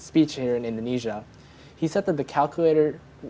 bahasa indonesia yang terbaru